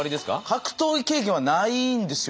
格闘技経験はないんですよ